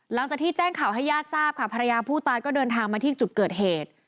หลังจากที่แจ้งข่าวให้ญาติทราบค่ะภรรยาผู้ตายก็เดินทางมาที่จุดเกิดเหตุ